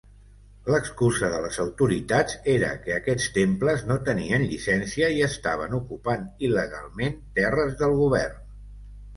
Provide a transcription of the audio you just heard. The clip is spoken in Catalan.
L'excusa de les autoritats era que aquests temples no tenien llicència i estaven ocupant il·legalment terres del govern.